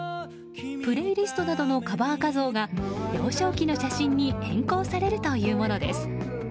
プレイリストなどのカバー画像が幼少期の写真に変更されるというものです。